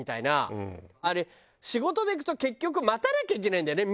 あれ仕事で行くと結局待たなきゃいけないんだよね